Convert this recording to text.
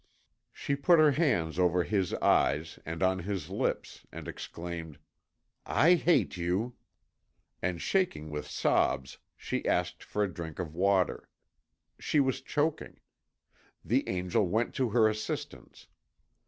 She put her hands over his eyes and on his lips, and exclaimed, "I hate you!" And shaking with sobs, she asked for a drink of water. She was choking. The angel went to her assistance.